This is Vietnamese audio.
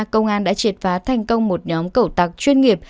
công an đã triệt phá thành công một nhóm cẩu tặc chuyên nghiệp